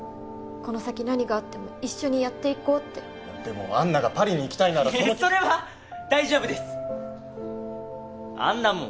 この先何があっても一緒にやっていこうってでもアンナがパリに行きたいならそれは大丈夫ですあんなもん